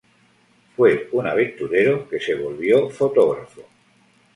Fue un aventurero que se volvió fotógrafo.